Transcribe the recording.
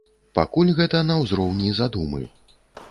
Пакуль гэта на ўзроўні задумы.